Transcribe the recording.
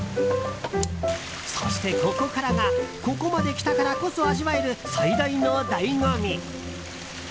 そして、ここからがここまで来たからこそ味わえる最大の醍醐味！